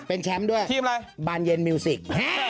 เป็นแชมป์ด้วยทีมอะไรบานเย็นมิวสิก